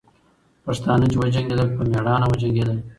پښتانه چې وجنګېدل، په میړانه وجنګېدل.